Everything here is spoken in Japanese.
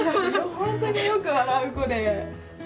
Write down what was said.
本当によく笑う子で。